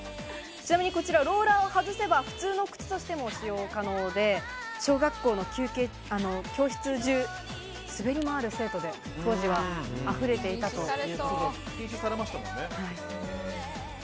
ちなみにこちら、ローラーを外せば普通の靴としても使用可能で、小学校の教室中、滑り回る生徒で当時は溢れていたという。